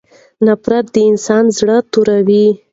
نفرت د انسان زړه توروي.